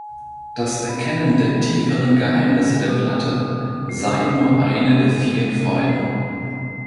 Das Erkennen der tieferen Geheimnisse der Platte sei nur eine der vielen Freuden.